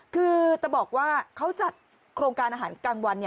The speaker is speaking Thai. คือจะบอกว่าเขาจัดโครงการอาหารกลางวัน